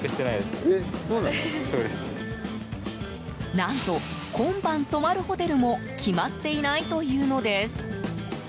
何と、今晩泊まるホテルも決まっていないというのです。